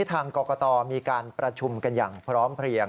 ทางกรกตมีการประชุมกันอย่างพร้อมเพลียง